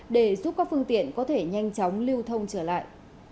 để giúp các phương tiện có thể nhanh chóng lưu thông trở lại